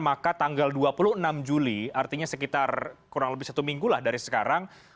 maka tanggal dua puluh enam juli artinya sekitar kurang lebih satu minggu lah dari sekarang